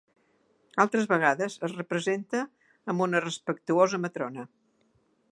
Altres vegades es representa amb una respectuosa matrona.